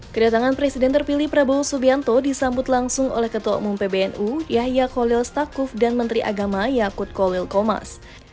kedatangan presiden terpilih prabowo subianto disambut langsung oleh ketua umum pbnu yahya kolil stakuf dan menteri agama yakut kolil komas